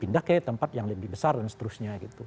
pindah ke tempat yang lebih besar dan seterusnya gitu